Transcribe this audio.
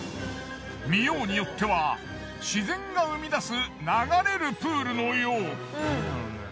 見ようによっては自然が生み出す流れるプールのよう。